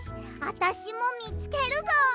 あたしもみつけるぞ。